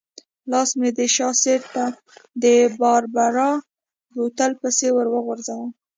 لاس مې د شا سېټ ته د باربرا بوتل پسې ورو غځاوه.